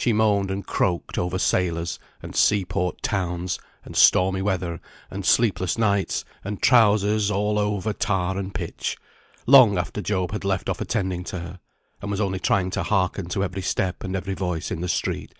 She moaned and croaked over sailors, and sea port towns, and stormy weather, and sleepless nights, and trousers all over tar and pitch, long after Job had left off attending to her, and was only trying to hearken to every step and every voice in the street.